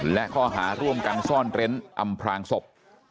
และข้อหาร่วมกันซ่อนเร้นอำพลางศพ